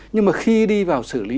nhưng mà khi đi vào xử lý